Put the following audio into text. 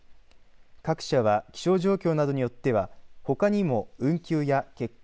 各社は気象状況などによってはほかにも運休や欠航